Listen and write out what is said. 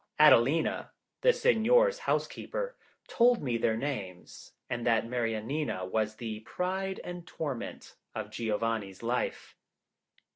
Adelina, the Signor's housekeeper, told me their names, and that Mariannina was the pride and torment of Giovanni's life.